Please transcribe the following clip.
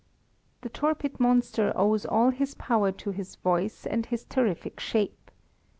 The torpid monster owes all his power to his voice and his terrific shape.